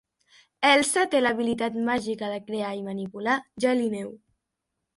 Elsa té l'habilitat màgica de crear i manipular gel i neu.